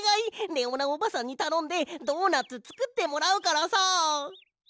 レオーナおばさんにたのんでドーナツつくってもらうからさ。